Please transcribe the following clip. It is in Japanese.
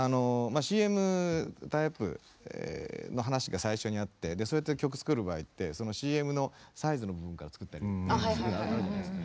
ＣＭタイアップの話が最初にあってそうやって曲作る場合ってそのＣＭのサイズの部分から作ったりあるじゃないですか。